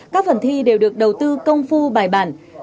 các phần thi đều được đầu tư công phu bài bản